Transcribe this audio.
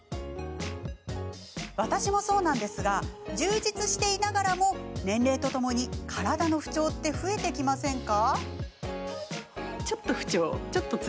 私も、そうなんですが充実していながらも年齢とともに体の不調って増えてきませんか？